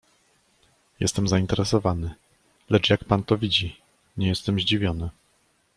"Jestem zainteresowany, lecz jak pan to widzi, nie jestem zdziwiony."